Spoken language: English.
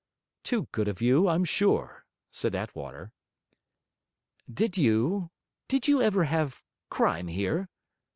'Too good of you, I'm sure,' said Attwater. 'Did you did you ever have crime here?'